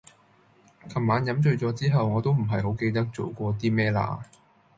琴晚飲醉咗之後我都唔係好記得做過啲咩啦